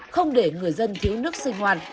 không để người dân thiếu nước sinh hoạt